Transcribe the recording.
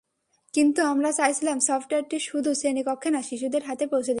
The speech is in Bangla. কিন্তু আমরা চাইছিলাম সফটওয়্যারটি শুধু শ্রেণিকক্ষে না, শিশুদের হাতে পৌঁছে দিতে।